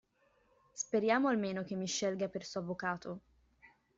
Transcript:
Speriamo almeno che mi scelga per suo avvocato!